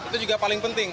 itu juga paling penting